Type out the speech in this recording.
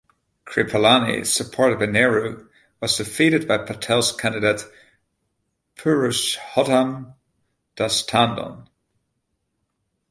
Kripalani, supported by Nehru, was defeated by Patel's candidate Purushottam Das Tandon.